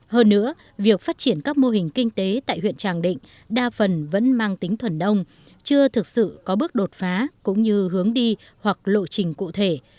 hơn nữa việc phát triển các mô hình kinh tế tại huyện tràng định đa phần vẫn mang tính thuần đông chưa thực sự có bước đột phá cũng như hướng đi hoặc lộ trình cụ thể